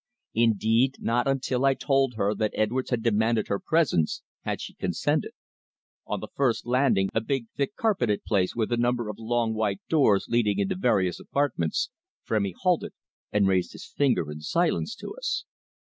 Indeed, not until I told her that Edwards had demanded her presence, had she consented. On the first landing, a big, thick carpeted place with a number of long, white doors leading into various apartments, Frémy halted and raised his finger in silence to us.